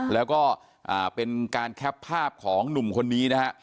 แล้วก็เป็นการแคปภาพของหนุ่มคนนี้นะฮะ